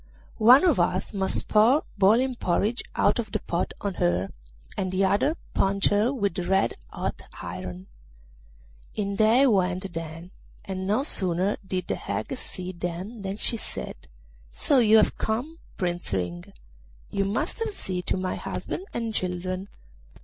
One of us must pour boiling porridge out of the pot on her, and the other punch her with red hot iron.' In they went then, and no sooner did the hag see them than she said, 'So you have come, Prince Ring; you must have seen to my husband and children.